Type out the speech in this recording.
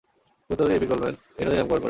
ভূতত্ত্ববিদ A P Coleman এই নদীর নামকরণ করেন।